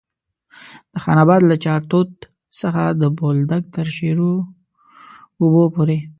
د خان اباد له چارتوت څخه د بولدک تر شیرو اوبو پورې.